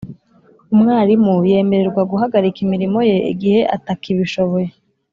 umwarimu yemererwa guhagarika imirimo ye igihe atakibishoboye